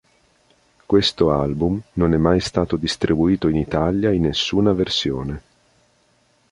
Questo album non è mai stato distribuito in Italia in nessuna versione.